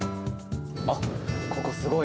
あっ、ここすごい！